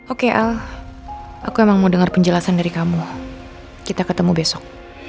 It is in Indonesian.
oke al aku emang mau dengar penjelasan dari kamu kita ketemu besok